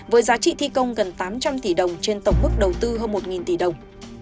với giá trị thi công gần tám trăm linh tỷ đồng trên tổng mức đầu tư hơn một tỷ đồng